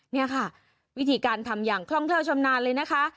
นี่ค่ะวิธีการทำอย่างคล่องเท่าชำนาญเลยนะคะ